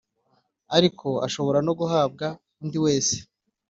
ariko ashobora no guhabwa undi wese